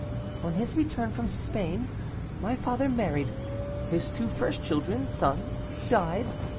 "On his return from Spain my father married. His two first children, sons, died.